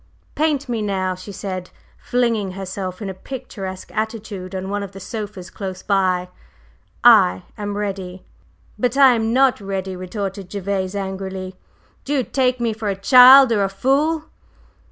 "Paint me now!" she said, flinging herself in a picturesque attitude on one of the sofas close by; "I am ready." "But I am not ready!" retorted Gervase, angrily. "Do you take me for a child, or a fool?"